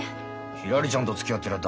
ひらりちゃんとつきあってりゃ